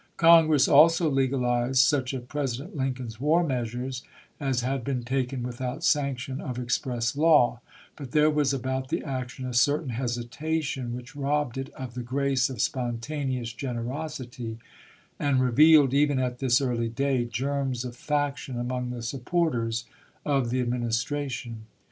Congress also legalized such of President Lincoln's war measures as had been taken without sanction of express law, but there was about the action a certain hesitation which robbed it of the grace of spontaneous generosity and revealed, even at this early day, germs of faction among the supporters of the Administration.